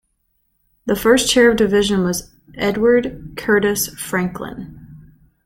The first Chair of the Division was Edward Curtis Franklin.